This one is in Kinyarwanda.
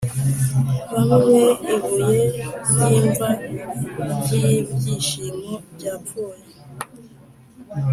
bamwe ibuye ryimva ryibyishimo byapfuye,